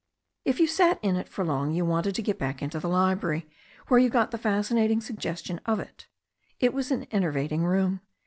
If you sat in it for long you wanted to get back into the library, where you got the fascinating suggestion of it It was an enervating room.